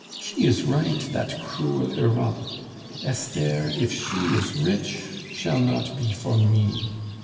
She is right, dat cruel Europe. Esther, if she is rich, shall not be for me.